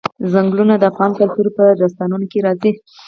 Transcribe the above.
ځنګلونه د افغان کلتور په داستانونو کې راځي.